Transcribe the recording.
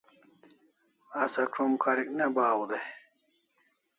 Asa krom karik ne bahan dai